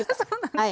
はい。